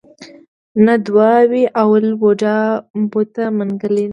نه دوه وې اولې بوډا بوته منګلی نه و.